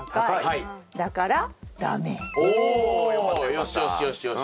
よしよしよしよし。